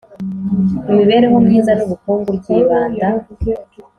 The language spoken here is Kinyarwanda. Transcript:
Imibereho myiza n ubukungu ryibanda